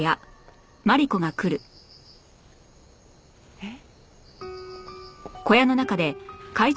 えっ？